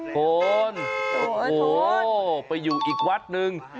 โคนโอ้โหไปอยู่อีกวัดหนึ่ง